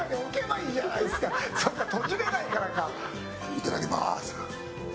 いただきます。